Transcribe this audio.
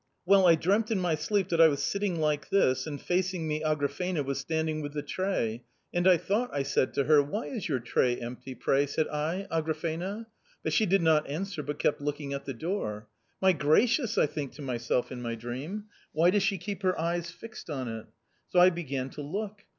Well, I dreamt in my sleep that I was sitting like this, and facing me Agrafena was standing with the tray. And I thought I said to her, ' Why is your tray empty, pray,' said I, ' Agrafena ?' but she did not answer but kept looking at the door. ' My gracious !' I think to myself in my dream, ' why does she keep her eyes fixed on it ?' So I began to look.